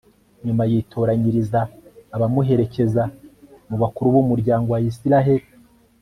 nyuma yitoranyiriza abamuherekeza mu bakuru b'umuryango wa israheli